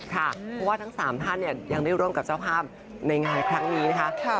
เพราะว่าทั้ง๓ท่านยังได้ร่วมกับเจ้าภาพในงานครั้งนี้นะคะ